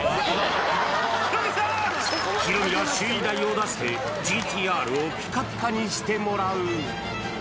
ヒロミが修理代を出して、ＧＴーＲをぴかぴかにしてもらう。